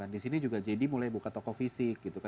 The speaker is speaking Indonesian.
di sini juga jadi mulai buka toko fisik